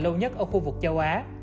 lâu nhất ở khu vực châu á